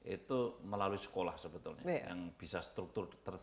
itu melalui sekolah sebetulnya yang bisa struktur